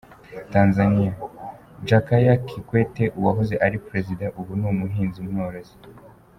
Tanzaniya: Jakaya Kikwete_Uwahoze ari Perezida ubu ni umuhinzi mworozi.